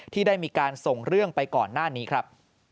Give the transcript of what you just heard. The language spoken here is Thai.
ที่ได้มีการส่งเรื่องไปก่อนหน้านี้ครับ